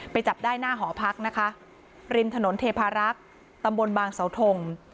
จับได้หน้าหอพักนะคะริมถนนเทพารักษ์ตำบลบางเสาทง